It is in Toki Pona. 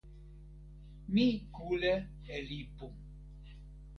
mi kule e lipu.